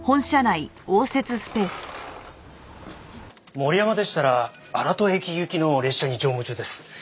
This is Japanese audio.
森山でしたら荒砥駅行きの列車に乗務中です。